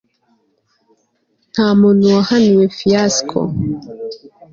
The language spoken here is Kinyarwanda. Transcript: ntamuntu wahaniwe fiasco